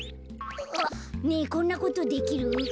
ねえこんなことできる？